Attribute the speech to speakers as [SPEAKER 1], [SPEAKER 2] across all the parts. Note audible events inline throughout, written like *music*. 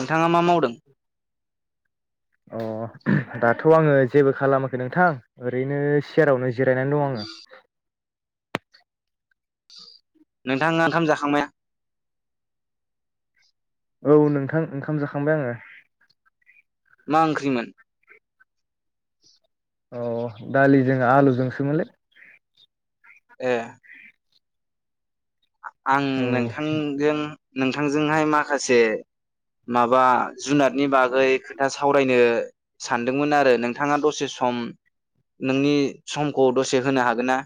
[SPEAKER 1] नोंथाङा मा मावदों?
[SPEAKER 2] अ दाथ आङो जेबो खालामाखै नोंथां ओरैनो सियारावनो जिरायनानै दङ आङो।
[SPEAKER 1] नोंथाङा ओंखाम जाखांबायना?
[SPEAKER 2] औ नोंथां ओंखाम जाखांबाय आङो।
[SPEAKER 1] मा ओंख्रिमोन?
[SPEAKER 2] अ दालिजों आलुजोंसोमोनलै ।
[SPEAKER 1] ए आं
[SPEAKER 2] औ
[SPEAKER 1] नोंथांजों नोंथांजोंहाय माखासे माबा जुनादनि बागै खोथा सावरायनो सानदोंमोन आरो नोंथाङा दसे सम नोंनि समखौ दसे होनो हागोन ना?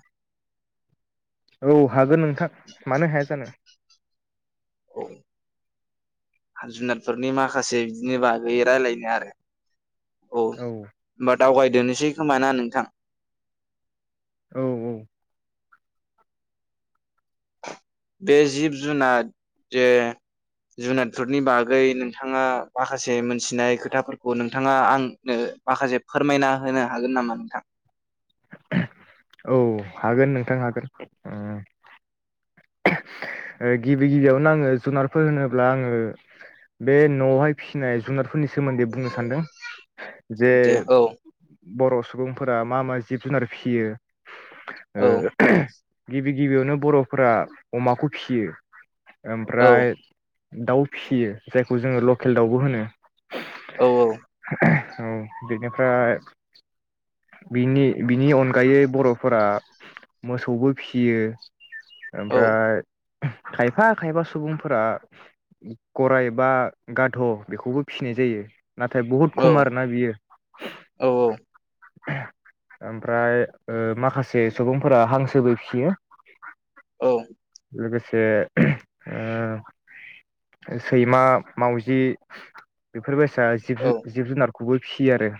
[SPEAKER 2] औ हागोन नोंथां मानो हाया जानो
[SPEAKER 1] औ जुनारफोरनि माखासे बिदिनो बागै रायलायनो आरो औ बाद दावगायदोनोसै खोमा ना नोंथां
[SPEAKER 2] औ-औ
[SPEAKER 1] बे जिब जुनार जे जुनादफोरनि बागै नोंथाङा माखासे मोनथिनाय खोथाफोरखौ नोंथाङा आंनो माखासे फोरमायना होनो हागोन नामा नोंथां
[SPEAKER 2] औ हागोन नोंथां हागोन ओ गिबि गिबियावनो आंङो जुनारफोर होनोब्ला आंङो बे नआवहाय फिसिनाय जुनार फोरनि सोमोन्दै बुंनो सानदों जे
[SPEAKER 1] दे औ
[SPEAKER 2] बरस सुबुंफोरा मा-मा जिब जुनार फियो
[SPEAKER 1] औ
[SPEAKER 2] ओ गिबि गिबियावनो बरफोरा अमाखौ फियो
[SPEAKER 1] औ
[SPEAKER 2] ओमफ्राय दाउ फिसियो जायखौ जोङो लकेल दाउबो होनो
[SPEAKER 1] औ-औ
[SPEAKER 2] औ बेनिफ्राय बिनि-बिनि अनगायै बरफोरा मोसौबो फियो
[SPEAKER 1] औ
[SPEAKER 2] ओमफ्राय खायफा-खायफा सुबुंफोरा गराय बा गाद बेखौबो फिनाय जायो नाथाय बहुद
[SPEAKER 1] औ
[SPEAKER 2] खम आरो ना बियो
[SPEAKER 1] औ
[SPEAKER 2] ओमफ्राय ओ माखासे सुबुंफोरा हांसोबो फियो
[SPEAKER 1] औ
[SPEAKER 2] लोगोसे ओ सैमा मावजि बेफोरबाय आसा जिब जि जुनार खौबो फियो आरो एहे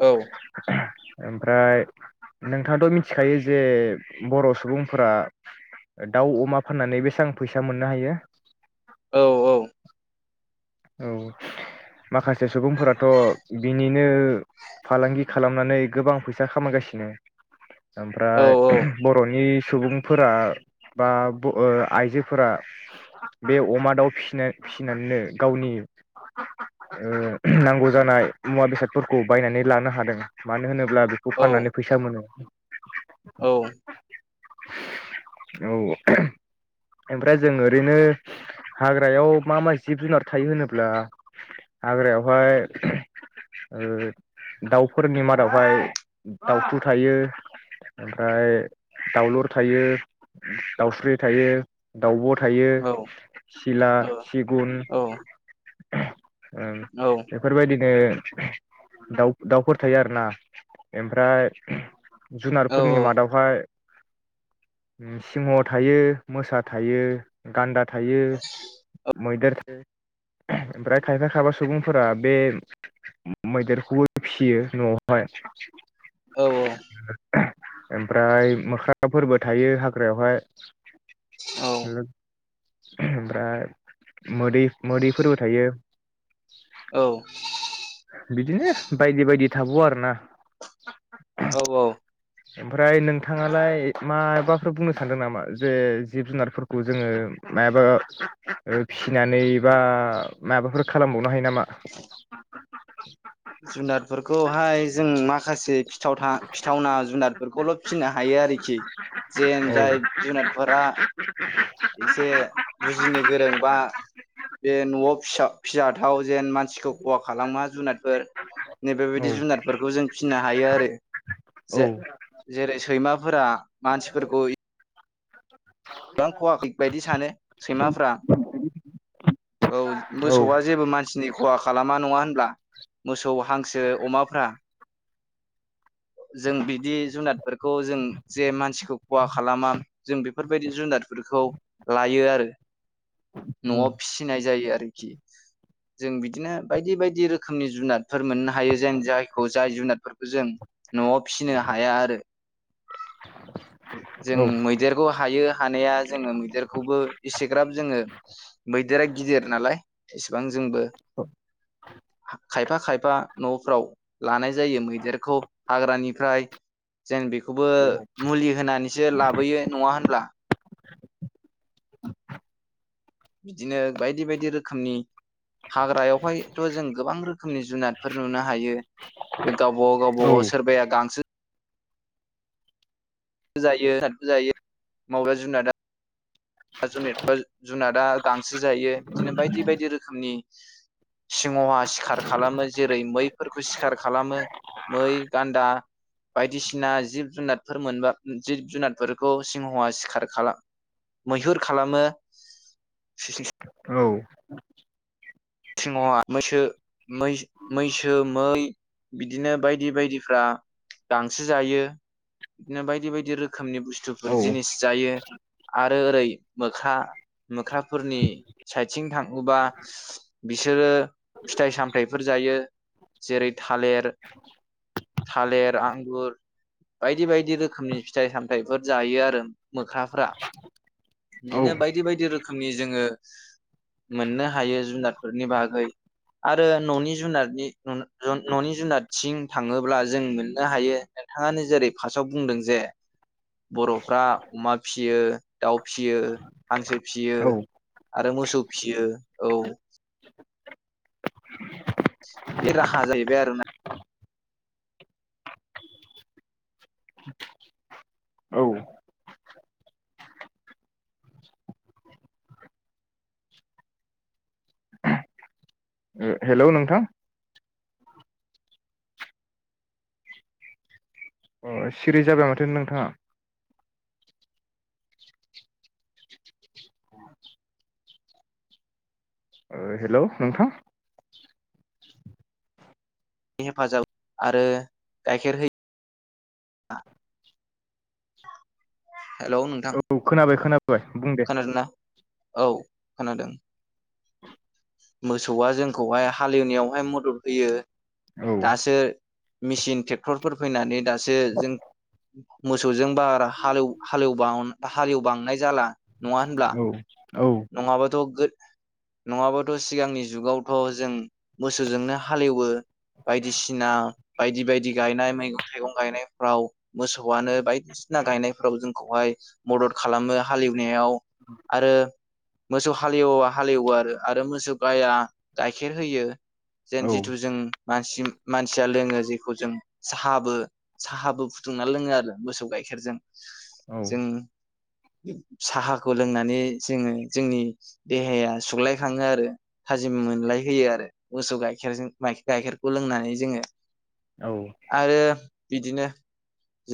[SPEAKER 1] औ
[SPEAKER 2] ओमफ्राय नोंथाङाथ मिथिखायो जे बर सुबुंफोरा दाउ अमा फाननानै बेसेबां फैसा मोननो हायो
[SPEAKER 1] औ-औ
[SPEAKER 2] औ माखासे सुबुंफोराथ बिनिनो फालांगि खालामनानै गोबां फैसा खामायगासिनो
[SPEAKER 1] औ
[SPEAKER 2] ओमफ्राय *unintelligible* बर'नि सुबुंफोरा बा ब ओ आइजोफोरा बे अमा दाउ फिसनो फिसिनानैनो गावनि ओ नांगौ जानाय मुवा बेसादफोरखौ बायनानै लानो हादों मानो होनो ब्ला बेखौ फाननानै फैसा मोनो।
[SPEAKER 1] औ
[SPEAKER 2] औ *unintelligible* ओमफ्राय जों ओरैनो हाग्रायाव मा मा जिब-जुनार थायो होनोब्ला हाग्रायावहाय *unintelligible* ओ दाउफोरनि मादावहाय दाउथु थायो ओमफ्राय दाउलुर थायो दाउस्रि थायो। दाउब' थायो सिला सिगुन। *unintelligible* ओ बेफोरबायदिनो दाउ दाउफोर थायो आरोना एमफ्राय *unintelligible* जुनारफोरनि
[SPEAKER 1] औ
[SPEAKER 2] मादावहाय उम सिंह' थायो मोसा थायो गान्दा थायो मैदेर ओ ओमफ्राय खायफा खायफा सुबुंफोरा बे मो मैदेरखौबो फियो न'आवहाय।
[SPEAKER 1] औ औ।
[SPEAKER 2] ओमफ्राय मोख्राफोरबो थायो हाग्रायावहाय।
[SPEAKER 1] औ।
[SPEAKER 2] *unintelligible* ओमफ्राय मोदै मोदैफोरबो थायो।
[SPEAKER 1] औ *inaudible*
[SPEAKER 2] बिदिनो बायदि बायदि थाबावो आरोना।
[SPEAKER 1] औ औ
[SPEAKER 2] ओमफ्राय नोंथाङालाय माबाफोर बुंनो सानदों नामा जे जिब जुनारफोरखौ जोङो माबा ओ फिसिनानै बा माबाफोर खालामबाव नो हायो नामा? *inaudible*
[SPEAKER 1] जुनारफोरखौहाय जों माखास से फिथावथा फिथावना जुनादफोरखौल' फिसिनो हायो आरोखि जेन जाय जुनादफोरा एसे बुजिनो गोरोंबा बे न'आव फिसा फि जाथाव जेन मानसिखौ खहा खालामा जुनादफोर। नै बेबायदि जुनादफोरखौ जों फिनो हायो आरो। *unintelligible*
[SPEAKER 2] औ।
[SPEAKER 1] जे जेरै सैमाफोरा मानसिफोरखौ *unintelligible* बायदि सानो सैमाफ्रा औ
[SPEAKER 2] औ
[SPEAKER 1] मोसौआ जेबो मानसिनि खहा खालामा नङा होनब्ला मोसौ हांसो अमाफ्रा। जों बिदि जुनादफोरखौ जों जे मानसिखौ खहा खालामा जों बेफोरबायदि जुनादफोरखौ लायो आरो। न'आव फिसिनाय जायो आरोखि । जों बिदिनो बायदि बायदि रोखोमनि जुनादफोर मोननो हायो जेन जायखौ जाय जुनादफोरखौ जों न'आव फिसिनो हाया आरो। जों
[SPEAKER 2] औ
[SPEAKER 1] मैदेरखौ हायो हानाया जोङो मैदेरखौबो एसेग्राब जोङो मैदेरा गिदिर नालाय। इसेबां जोंबो *inaudible* खायफा खायफा नफ्राव लानाय जायो मैदेरखौ हाग्रानिफ्राय जेन बेखौबो
[SPEAKER 2] औ
[SPEAKER 1] मुलि होनानैसो लाबोयो नंङा होनब्ला? बिदिनो बायदि बायदि रोखोमनि हाग्रायावहायथ' जों गोबां रोख खोमनि जुनाद फोर नुनो हायो बे गावबा गाव गावबा गाव सोरबाया गांसो जायो जायो माबा जुनादा *unintelligible* जुनादा गांसो जायो बिदिनो बायदि बायदि रोख रोखोमनि सिंहआ सिखार खालामो जेरै मैफोरखौ सिखार खालामो मै गान्दा बायदिसिना जिब जुनारफोर मोनबा जिब जुनारफोरखौ सिंहआ सिखार खाला मैहुर खालामो ‌।
[SPEAKER 2] औ
[SPEAKER 1] सिंहआ मैसो-मैस-मैसो मै बिदिनो बायदि बायदिफ्रा गांसो जायो बिदिनो बायदि बायदि रोखोमनि बुस्थुफोर जिनिस जायो आरो ओरै मोख्रा-मोख्राफोरनि साइडथिं थांङोबा बिसोरो फिथाइ सामथायाइफोर जायो जेरै थालिर थालिर आंगुर बायदि बायदि रोखोमनि फिथाइ सामथाइफोर जायो आरो मोख्राफ्रा बिदिनो
[SPEAKER 2] औ
[SPEAKER 1] बायदि बायदि रोखोमनि जोंङो मोननो हायो जुनाद फोरनि बागै आरो न'नि जुनारनि न'-न'-न'नि जुनारथिं थांङोब्ला जों मोननो हायो नोंथाङानो जेरै फासाव बुंदों जे बर'फ्रा अमा फिसियो दाउ फिसियो हांसो फिसियो
[SPEAKER 2] औ
[SPEAKER 1] आरो मोसौ फिसियो औ बे राहा जाहैबाय आरोना
[SPEAKER 2] औ हेल' नोंथां अ सिरि जाबाय माथो नोंथाङा? हेल' नोंथां
[SPEAKER 1] हेफाजाब आरो गाइखेर होय *inaudible* हेल' नोंथां
[SPEAKER 2] औ खोनाबाय खोनाबाय बुं दे
[SPEAKER 1] खोनादों ना औ खोनादों मोसौआ जोंखौहाय हालेवनायावहाय मदद होयो
[SPEAKER 2] औ
[SPEAKER 1] । दासो मिसिन ट्रेक्टरफोर फैनानै दासो जों मोसौजों बार हालौ-हालौबाव-हालेव बांनाय जाला ।
[SPEAKER 2] औ। औ
[SPEAKER 1] नंङा बाथ । नङाबाथ सिगांनि जुगावथ जों मोसौजोंनो हालेवो बायदिसिना बायदि बायदि गायनाय मैगं थाइगं गायनायफ्राव मोसौआनो बायदिसिना गायनायफ्राव जोंखौहाय मदद खालामो हालएव। नायाव आरो। मोसौ हालेव हालेवो आरो आरो मोसौ गाया गाइखेर होयो। जेन
[SPEAKER 2] औ
[SPEAKER 1] जिथु जों मानसि मानसिया लोङो जेखौ जों साहाबो साहाबो फुदुंना लोङो आरो मोसौ गाइखेरजों।
[SPEAKER 2] औ
[SPEAKER 1] जों। साहाखौ लोंनानै। जोङो जोंनि देहाया सुग्लाय खाङो आरो थाजिमा मोनलाय होयो आरो मोसौ गाइखेरजों गाइखेरखौ लोंनानै जोङो। आरो। बिदिनो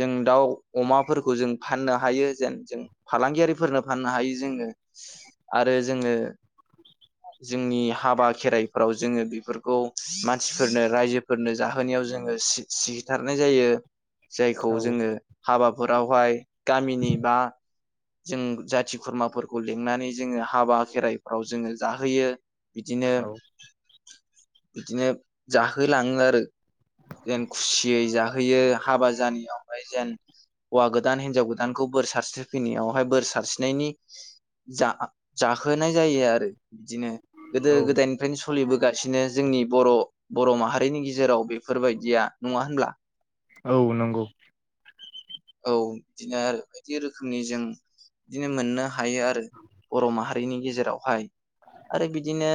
[SPEAKER 1] जों दाउ अमाफोरखौ जों फाननो हायो जेन जों फालांगियारिफोरनो फाननो हायो जोङो। आरो। जोङो। जोंनि हाबा खेराइफोराव जोङो बेफोरखौ मानसिफोरनो रायजोफोरनो जाहोनायाव जोङो सि-सिथारनाय जायो। जायखौ
[SPEAKER 2] औ
[SPEAKER 1] जोङो हाबा। फोरावहाय गामिनि बा जों जाथि खुरमाफोर। ख लिंनानै जोङो हाबा खेराइफ्राव जोङो जाहोयो। बिदिनो। बिदिनो जाहोलाङो आरो। जेन खुसियै जाहोयो हाबा जानायावहाय जेन हौवा गोदान हिनजाव गोदानखौ बोर सारस्रिफैनायावहाय बोर सारस्रिनायनि जा जाहोनाय जायो आरो। बिदिनो गोदो
[SPEAKER 2] औ
[SPEAKER 1] गोदायनिफ्रायनो सोलिबोगासिनो जोंनि बर' बर' माहारिनि गेजेराव बे। फोरबायदिया नङा होनब्ला।
[SPEAKER 2] औ नंगौ।
[SPEAKER 1] औ बिदिनो आरो बायदि रोखोमनि जों बिदिनो मोननो हायो आरो बर' माहारि। बैनि गेजेरावहाय आरो बिदिनो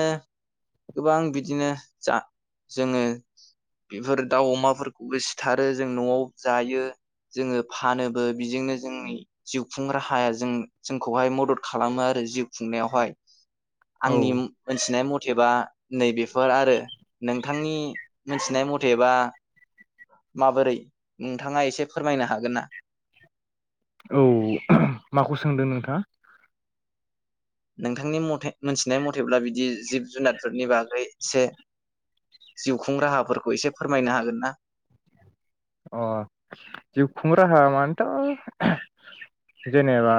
[SPEAKER 1] गोबां बिदिनो जा जोङो बेफोर दाउ अमाफोरखौबो सिथारो जों नआव जायो जोङो। फानोबो बिजोंनो जोंनि जिउफुं राहाया जों जोंखौहाय मदद खालामो आरो जिउ। खुंनायावहाय
[SPEAKER 2] औ
[SPEAKER 1] आंनि मोनथिनाय म। अथेबा नैबेफोर आरो। नोंथांनि मोनथिनाय मथेबा। माबोरै नोंथाङा एसे फोरमायनो हागोन ना?
[SPEAKER 2] औ माखौ सोंदों नोंथाङा?
[SPEAKER 1] नोंथांनि मथे। मोनथिनाय मथेब्ला बिदि। जिब जुनारफोरनि बागै एसे जिउ खुं राहाफोरखौ एसे फोरमायनो हागोन ना?
[SPEAKER 2] अ जिउ खुं राहा मानेथ' जेनेबा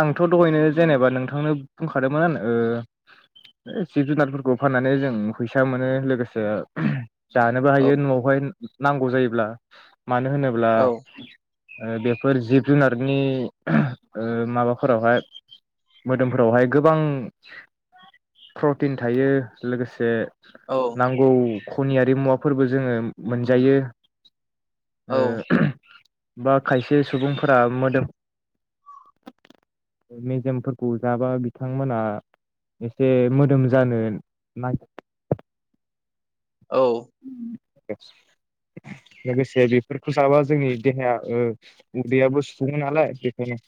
[SPEAKER 2] आंथ' दहायनो जेनेबा नोंथांनो बुंखादोंमोन आनो जिब- जुनारफोरखौ फाननानै जों फैसा मोनो लोगोसे जानोबो
[SPEAKER 1] औ
[SPEAKER 2] हायो नआवहाय। नांगौ जायो ब्ला मानो होनोब्ला
[SPEAKER 1] औ
[SPEAKER 2] ओ बेफोर जिब जुनारनि ओहो माबाफोरावहाय मोदोमफोरावहाय गोबां प्रटिन थायो लोगोसे
[SPEAKER 1] औ
[SPEAKER 2] नांगौ खनियारि मुवाफोरबो जोङो मोनजायो।
[SPEAKER 1] औ
[SPEAKER 2] ओ होम बा खायसे सुबुंफोरा मोदोम मेजेमफोरखौ जाबा बिथांमोना एसे मोदोम जानो नागिर
[SPEAKER 1] औ
[SPEAKER 2] *unintelligible* लोगोसे बेफोरखौ जाबा जोंनि देहाया ओ उदैयाबो सुफुङो नालाय बेखायनो।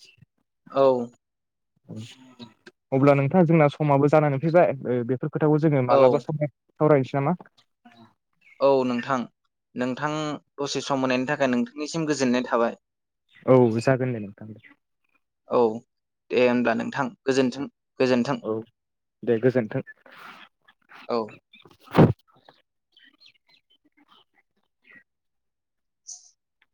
[SPEAKER 1] औ
[SPEAKER 2] अब्ला नोंथां जोंना समाबो जानानै फैबाय ओ, बेफोर खोथाखौ जोङो
[SPEAKER 1] औ
[SPEAKER 2] मालाबा समाव सावरायनोसै नामा?
[SPEAKER 1] औ नोंथां, नोंथां दसे सम होनायनि थाखाय नोंथांनिसिम गोजोननाय थाबाय ।
[SPEAKER 2] औ जागोन दे नोंथां ।
[SPEAKER 1] औ दे होमब्ला नोंथां गोजोन्थों ।
[SPEAKER 2] औ दे गोजोन्थों
[SPEAKER 1] औ
[SPEAKER 2] ।
[SPEAKER 1] *inaudible*